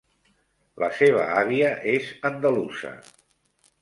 La seva àvia és andalusa.